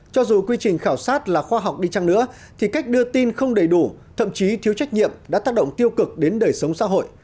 cho dù quy trình khảo sát là khoa học đi chăng nữa thì cách đưa tin không đầy đủ thậm chí thiếu trách nhiệm đã tác động tiêu cực đến đời sống xã hội